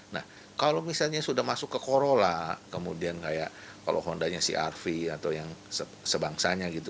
nah kalau misalnya sudah masuk ke corola kemudian kayak kalau hondanya crv atau yang sebangsanya gitu